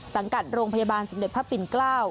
สังกัดโรงพยาบาลสมเด็จพระปิ่นเกล้า